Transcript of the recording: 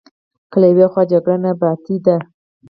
که له یوې خوا جګړه نیابتي ده.